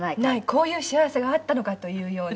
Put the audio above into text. こういう幸せがあったのかというような」